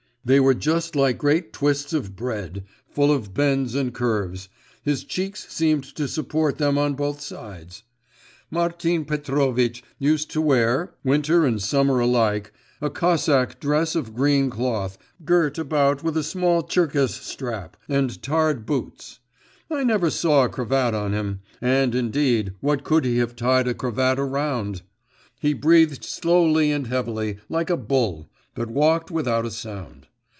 They were just like great twists of bread, full of bends and curves; his cheeks seemed to support them on both sides. Martin Petrovitch used to wear winter and summer alike a Cossack dress of green cloth, girt about with a small Tcherkess strap, and tarred boots. I never saw a cravat on him; and indeed what could he have tied a cravat round? He breathed slowly and heavily, like a bull, but walked without a sound.